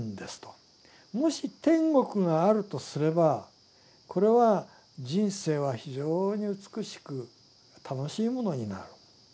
もし天国があるとすればこれは人生は非常に美しく楽しいものになる。